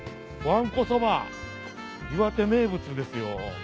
岩手名物ですよ。